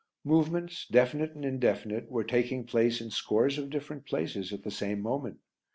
Movements, definite and indefinite, were taking place in scores of different places at the same moment.